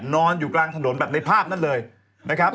นอนอยู่กลางถนนแบบในภาพนั้นเลยนะครับ